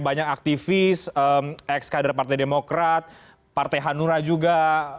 banyak aktivis ex kader partai demokrat partai hanura juga